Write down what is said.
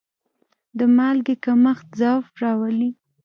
د مالګې کمښت ضعف راولي.